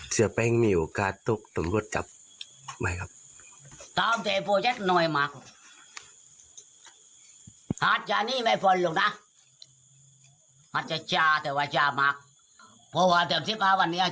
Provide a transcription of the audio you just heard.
เสียแป้งมีโอกาสตุ๊กต้องกดจับไหมครับ